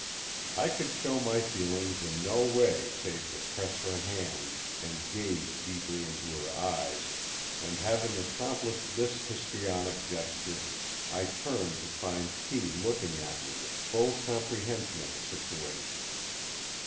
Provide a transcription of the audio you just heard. I could show my feelings in no way save to press her hand and gaze deeply into her eyes, and having accomplished this histrionic gesture, I turned to find Kee looking at me with full comprehension of the situation.